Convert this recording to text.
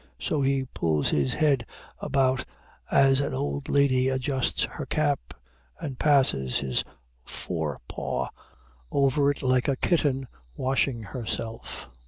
So he pulls his head about as an old lady adjusts her cap, and passes his fore paw over it like a kitten washing herself.